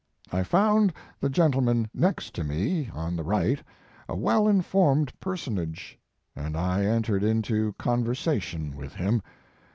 I found the gentleman next to me on the right a well informed personage, and I entered into conversa tion with him.